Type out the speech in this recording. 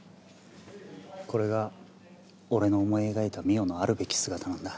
これが俺の思い描いた澪のあるべき姿なんだ。